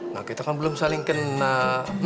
nah kita kan belum saling kena